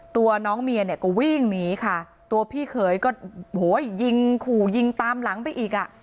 ตัวน้องเมียเนี่ยก็วิ่งหนีค่ะตัวพี่เขยก็ยิงขู่ยิงตามหลังไปอีกอ่ะ